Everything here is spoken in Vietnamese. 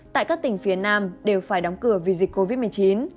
tại các tỉnh phía nam đều phải đóng cửa vì dịch covid một mươi chín